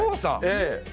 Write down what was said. ええ。